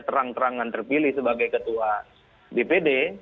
terang terangan terpilih sebagai ketua dpd